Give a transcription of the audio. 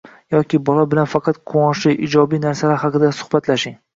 yoki bola bilan faqat quvonchli, ijobiy narsalar haqida suhbatlashing.